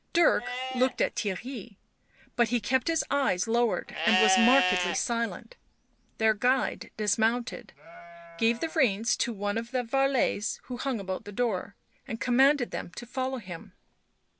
Dirk looked at Theirry, but he kept his eyes lowered and was markedly silent; their guide dismounted, gave the reins to one of the varlets who hung about the door, and commanded them to follow him.